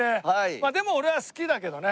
まあでも俺は好きだけどね。